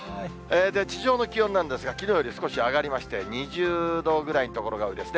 地上の気温なんですが、きのうより少し上がりまして、２０度ぐらいの所が多いですね。